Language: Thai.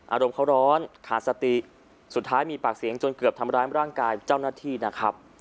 อารมณ์เขาร้อนขาดสติสุดท้ายมีปากเสียงจนเกือบทำร้ายร่างกายเจ้าหน้าที่นะครับ